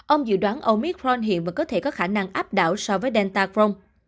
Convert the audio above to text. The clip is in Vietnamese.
ông dự đoán omicron hiện vẫn có thể có khả năng áp đảo so với delta crohn